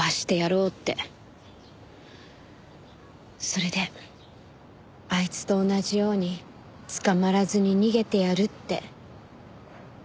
それであいつと同じように捕まらずに逃げてやるって。